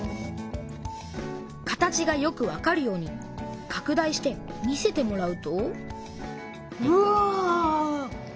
形がよくわかるようにかく大して見せてもらうとうわ！